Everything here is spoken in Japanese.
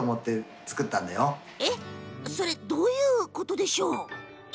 どういうことでしょう？